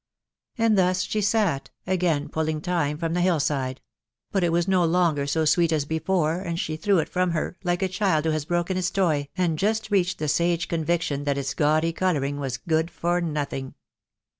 And thus she sat, again pulling thyme from the hill side ; but it was no longer so sweet as before, and she threw it from her, like a child who has broken its toy, and just reached the sage conviction that its gaudy colouring was good for nothing.